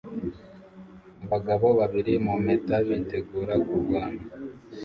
abagabo babiri mu mpeta bitegura kurwana